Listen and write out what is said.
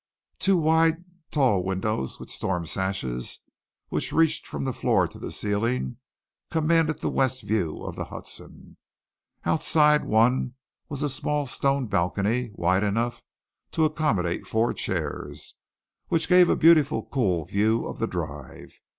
Two wide, tall windows with storm sashes, which reached from the floor to the ceiling, commanded the West view of the Hudson. Outside one was a small stone balcony wide enough to accommodate four chairs, which gave a beautiful, cool view of the drive.